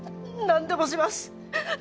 何でもします